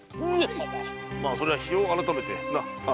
まあそれは日を改めてナ！